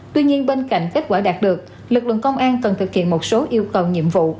tuy nhiên bên cạnh kết quả đạt được lực lượng công an cần thực hiện một số yêu cầu nhiệm vụ